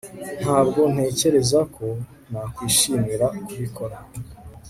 ntabwo ntekereza ko nakwishimira kubikora